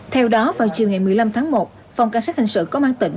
theo đó vào chiều ngày một mươi năm tháng một phòng cảnh sát hình sự công an tỉnh